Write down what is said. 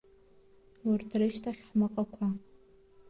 Урҭ рышьҭахь ҳмаҟақәа.